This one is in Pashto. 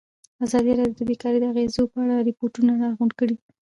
ازادي راډیو د بیکاري د اغېزو په اړه ریپوټونه راغونډ کړي.